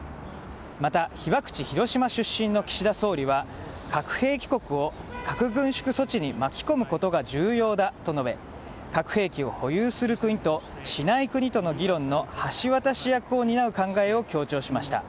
また、被爆地・広島出身の岸田総理は核兵器国を核軍縮措置に巻き込むことが重要だと述べ核兵器を保有する国としない国との議論の橋渡し役を担う考えを強調しました。